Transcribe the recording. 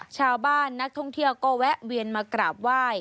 ชาวบ้านนักท่องเที่ยวก็แวะเวียนมากราบไหว้